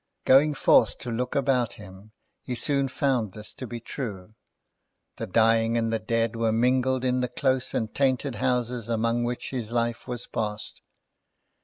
Going forth to look about him, he soon found this to be true. The dying and the dead were mingled in the close and tainted houses among which his life was passed.